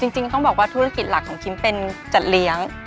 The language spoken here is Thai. จริงต้องบอกว่าธุรกิจหลักของคิมเป็นจัดเลี้ยง